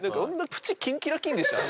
縁キンキラキンでした？